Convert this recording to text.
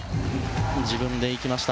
自分でいきました。